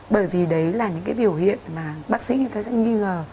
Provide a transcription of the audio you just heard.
bởi vì đấy là những cái biểu hiện mà bác sĩ người ta sẽ nghi ngờ